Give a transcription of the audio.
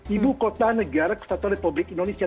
ibu kota negara kesatuan republik indonesia